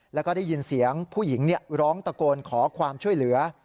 แล้วก็ได้ยินเสียงผู้หญิงร้องตะโกนขอความช่วยเหลือ